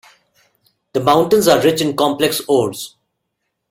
The mountains are rich in complex ores.